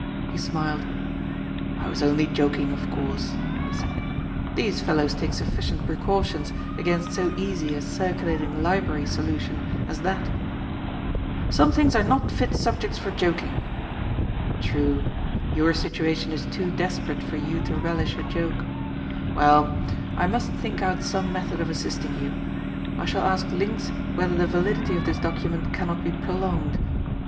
He smiled. " I was only joking, of course," he said. " These fellows take sufficient precautions against so easy a ^ circulating library ' solution as that" " Some things are not fit subjects for joking." " True, your situation is too desperate for you to relish a joke. Well, I must think out some method of assisting you. I shall ask Linx whether the validity of this document can not be prolonged.